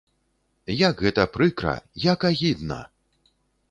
Як гэта прыкра, як агідна!